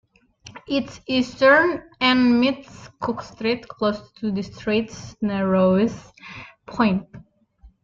Its eastern end meets Cook Strait close to the strait's narrowest point.